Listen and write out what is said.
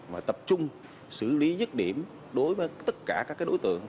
và tập trung xử lý nhất điểm đối với tất cả các đối tượng